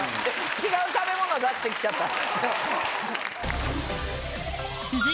違う食べ物出して来ちゃった。